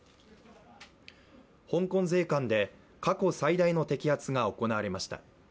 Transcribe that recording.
香港税関で過去最大の摘発が行われました。